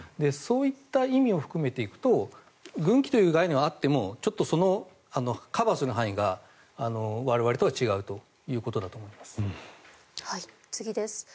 そういった意味を含めていくと軍規という概念はあってもカバーする範囲が我々とは違うということだと思います。